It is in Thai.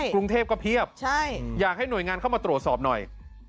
กรุงเทพก็เพียบอยากให้หน่วยงานเข้ามาตรวจสอบหน่อย